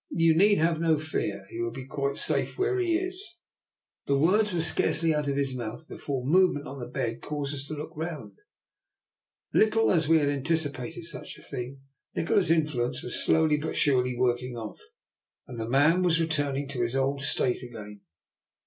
You need have no fear; he will be quite safe where he is." The words were scarcely out of his mouth before a movement on the bed caused us to look round. Little as we had anticipated such a thing, Nikola's influence was slowly 292 DR. NIKOLA'S EXPERIMENT. but surely working off, and the man was re turning to his old state again.